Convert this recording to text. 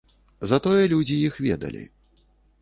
Затое людзі іх ведалі.